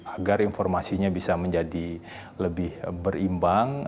agar informasinya bisa menjadi lebih berimbang